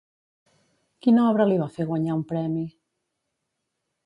Quina obra li va fer guanyar un premi?